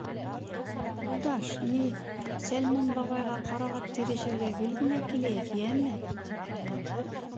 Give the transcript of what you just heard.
— Юлдаш, ни, Сәлмән бабайға ҡарағат тирешергә гел генә киләйек, йәме, -тип һөйләнде.